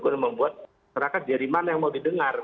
karena membuat mereka jadi mana yang mau didengar